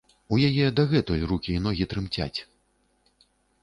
У яе дагэтуль рукі і ногі трымцяць.